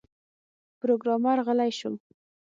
پروګرامر غلی شو